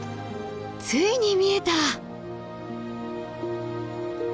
ついに見えた！